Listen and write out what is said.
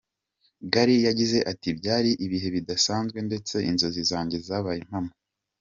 Gary yagize ati “ Byari ibihe bidasanzwe , ndetse inzozi zanjye zabaye impamo.